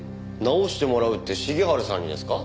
直してもらうって重治さんにですか？